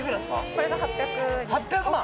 これが８００万。